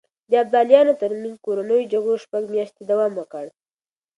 د ابداليانو ترمنځ کورنيو جګړو شپږ مياشتې دوام وکړ.